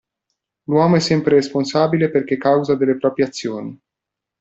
L'uomo è sempre responsabile perché causa delle proprie azioni.